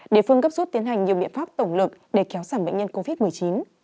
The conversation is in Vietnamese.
địa phương gấp rút tiến hành nhiều biện pháp tổng lực để kéo giảm bệnh nhân covid một mươi chín